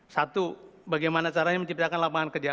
satu bagaimana caranya menciptakan lapangan kerja